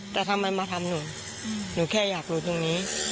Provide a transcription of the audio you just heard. แต่ทำไมมาทำหนูหนูแค่อยากรู้ตรงนี้